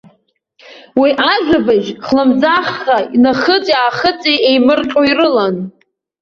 Уи ажәабжь хлымӡаахха ныхыҵи-аахыҵи еимырҟьо ирылан.